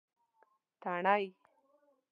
تڼۍ